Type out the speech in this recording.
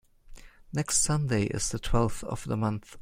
Next Sunday is the twelfth of the month.